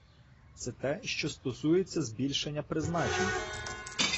Це те, що стосується збільшення призначень.